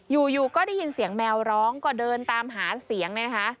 อยู่ก็ได้ยินเสียงแมวร้องก็เดินตามหาเสียงนะคะ